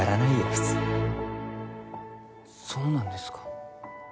普通そうなんですか？